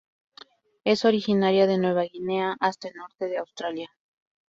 Es originaria de Nueva Guinea hasta el norte de Australia.